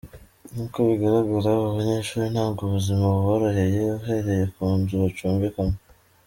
Nk’uko bigaragara aba banyeshuri ntabwo ubuzima buboroheye uhereye ku nzu bacumbikamo.